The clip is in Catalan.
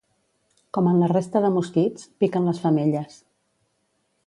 Com en la resta de mosquits, piquen les femelles.